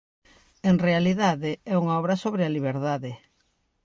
En realidade, é unha obra sobre a liberdade.